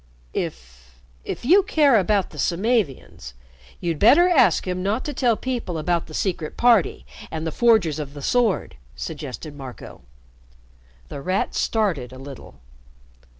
"If if you care about the Samavians, you'd better ask him not to tell people about the Secret Party and the Forgers of the Sword," suggested Marco. The Rat started a little.